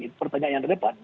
itu pertanyaan yang relevan